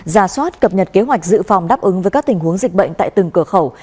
ra soát cập nhật kế hoạch dự phòng đáp ứng với các tình huống dịch bệnh tại từng cửa khẩu